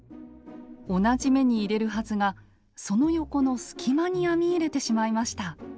同じ目に入れるはずがその横の隙間に編み入れてしまいました。